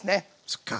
そっか。